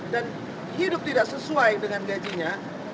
dan hidup tidak sesuai dengan gajinya